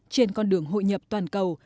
trên con đường hội nhập toàn cầu